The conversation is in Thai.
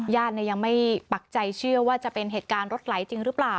ยังไม่ปักใจเชื่อว่าจะเป็นเหตุการณ์รถไหลจริงหรือเปล่า